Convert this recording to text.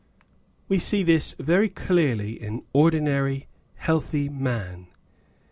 We see this very clearly in ordinary healthy man.